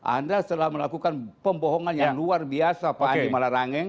anda telah melakukan pembohongan yang luar biasa pak andi malarangeng